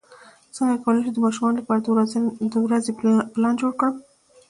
څنګه کولی شم د ماشومانو لپاره د ورځې پلان جوړ کړم